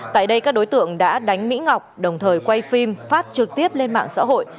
tại đây các đối tượng đã đánh mỹ ngọc đồng thời quay phim phát trực tiếp lên mạng xã hội